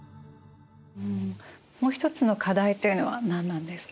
もう一つの課題というのは何なんですか？